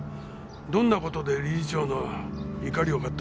どんな事で理事長の怒りを買ったのか調べてくれ。